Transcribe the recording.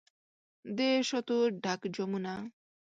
دشاتو ډک جامونه